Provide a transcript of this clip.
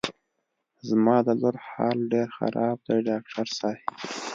زما د لور حال ډېر خراب دی ډاکټر صاحب.